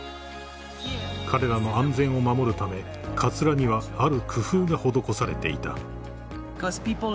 ［彼らの安全を守るためかつらにはある工夫が施されていた］